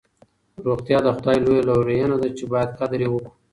روغتیا د خدای ج لویه لورینه ده چې باید قدر یې وکړو.